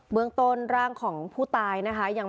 พี่อุ๋ยพ่อจะบอกว่าพ่อจะรับผิดแทนลูก